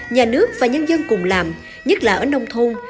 nhà nước và nhân dân cùng làm nhất là ở nông thôn